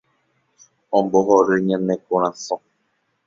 ombohory ñane korasõ